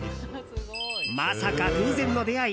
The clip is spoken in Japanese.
まさか偶然の出会い。